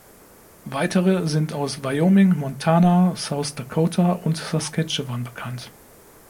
Weitere sind aus Wyoming, Montana, South Dakota und Saskatchewan bekannt.